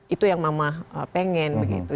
itu yang mama pengen begitu